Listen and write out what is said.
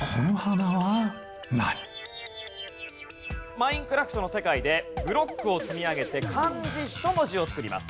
『マインクラフト』の世界でブロックを積み上げて漢字１文字を作ります。